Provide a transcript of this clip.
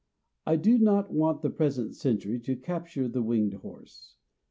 I do not want the present century to capture the winged horse.